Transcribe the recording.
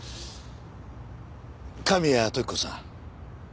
神谷時子さん。